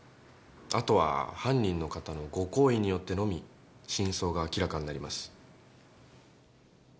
あとは犯人の方のご厚意によってのみ真相が明らかになります。